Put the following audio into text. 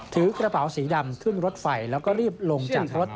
ถือกระเป๋าสีดำขึ้นรถไฟแล้วก็รีบลงจากรถ